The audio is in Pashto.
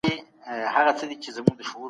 ده وویل چي پښتو د پښتنو د عزت نښه ده.